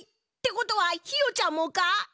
ってことはひよちゃんもか？